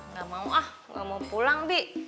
nggak mau ah nggak mau pulang bi